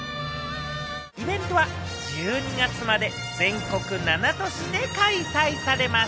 イベントは１２月まで全国７都市で開催されます。